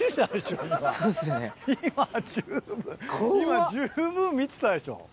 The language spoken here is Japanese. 今十分見てたでしょ。